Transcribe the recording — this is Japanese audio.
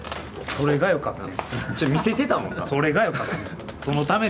それがよかった。